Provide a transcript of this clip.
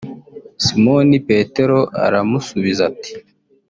» Simoni Petero aramusubiza ati